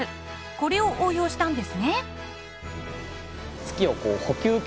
これを応用したんですね。